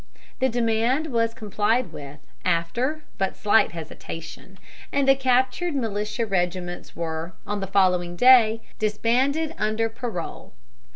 The demand was complied with after but slight hesitation, and the captured militia regiments were, on the following day, disbanded under parole.